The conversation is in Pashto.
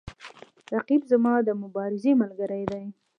رقیب زما د مبارزې ملګری دی